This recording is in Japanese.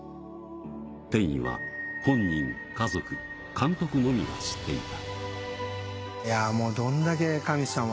転移は、本人、家族、監督のみが知っていた。